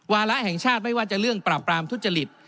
วาระแห่งชาติไม่ว่าจะเรื่องปราบปรามทุจริต